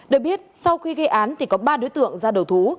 được biết sau khi gây án thì có ba đối tượng ra đầu thú